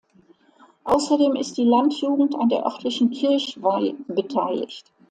Außerdem ist die Landjugend an der örtlichen Kirchweih beteiligt.